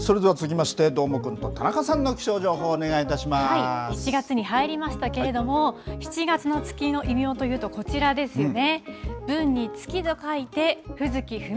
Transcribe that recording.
それでは続きまして、どーもくんと田中さんの気象情報、お願７月に入りましたけれども、７月の月の異名というと、こちらですよね。